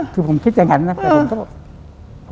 คือผมคิดอย่างนั้นนะแต่ผมก็บอก